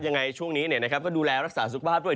ยังไงช่วงนี้ก็ดูแลรักษาสุขภาพด้วย